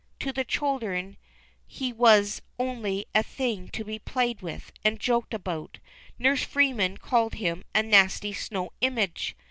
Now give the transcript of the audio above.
To the children ne was only a thing to be played with and joked about. Nurse Freeman called him a "nasty snow image."